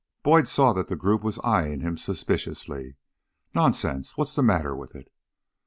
Boyd saw that the group was eying him suspiciously. "Nonsense! What's the matter with it?"